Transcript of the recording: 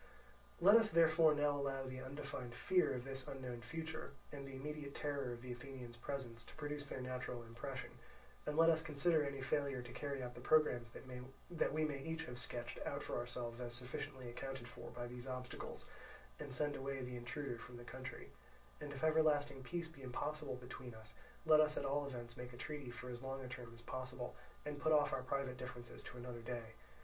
"Let us therefore now allow the undefined fear of this unknown future, and the immediate terror of the Athenians' presence, to produce their natural impression, and let us consider any failure to carry out the programmes that we may each have sketched out for ourselves as sufficiently accounted for by these obstacles, and send away the intruder from the country; and if everlasting peace be impossible between us, let us at all events make a treaty for as long a term as possible, and put off our private differences to another day.